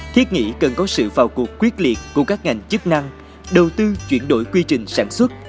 thiết nghĩ cần có sự vào cuộc quyết liệt của các ngành chức năng đầu tư chuyển đổi quy trình sản xuất